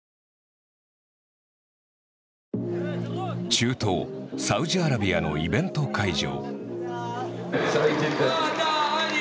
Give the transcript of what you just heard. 中東サウジアラビアのイベント会場。